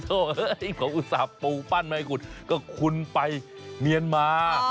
โอ้โธของอุตส่าห์โปรปั้นไมคุณก็คุ้นไปเมียนมา